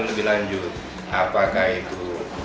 lebih lanjut apakah itu